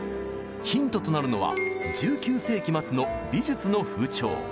ヒントとなるのは１９世紀末の美術の風潮。